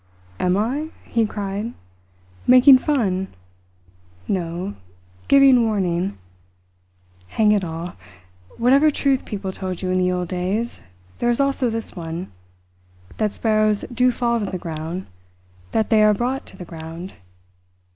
"Am I?" he cried. "Making fun? No, giving warning. Hang it all, whatever truth people told you in the old days, there is also this one that sparrows do fall to the ground, that they are brought to the ground.